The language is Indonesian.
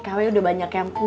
kenapa kek temen